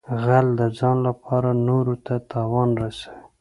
غل د ځان لپاره نورو ته تاوان رسوي